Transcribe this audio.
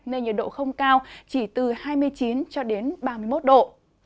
nơi nhiệt độ không cao chỉ từ hai mươi hai hai mươi ba độ c